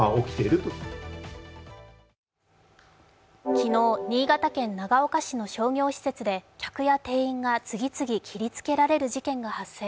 昨日、新潟県長岡市の商業施設で客や店員が次々と切りつけられる事件が発生。